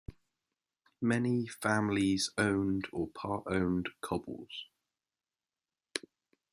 Many families owned or part owned cobles.